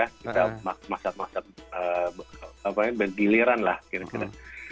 kita masak masak apa namanya bentiliran lah kira kira